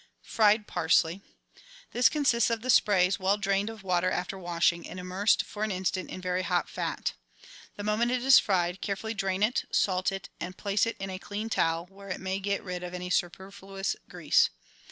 Fried Parsley. — This consists of the sprays, well drained of watei»after washing, and immersed for an instant in very hot fat. The moment it is fried carefully drain it, salt it, and place ELEMENTARY PREPARATIONS 77 it in a clean towel, where it may get rid of any superfluous grease.